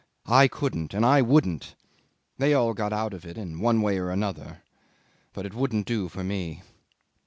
I couldn't, and I wouldn't. They all got out of it in one way or another, but it wouldn't do for me."